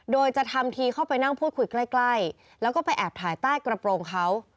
โดยจะทำทีเข้าไปนั่งพูดคุยใกล้แล้วก็ไปแอบถ่ายใต้กระโปรงเขา